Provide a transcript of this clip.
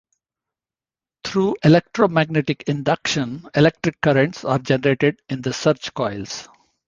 Through electromagnetic induction, electric currents are generated in the search coils.